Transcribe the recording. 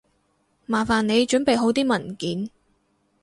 麻煩你準備好啲文件